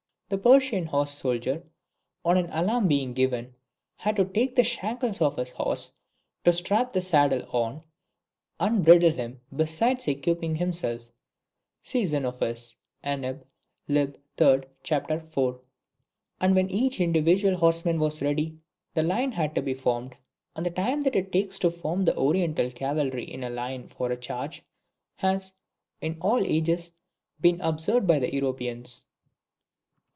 The Persian horse soldier, on an alarm being given, had to take the shackles off his horse, to strap the saddle on, and bridle him, besides equipping himself (see Xenoph. Anab. lib.iii c.4); and when each individual horseman was ready, the line had to be formed; and the time that it takes to form the Oriental cavalry in line for a charge, has, in all ages, been observed by Europeans.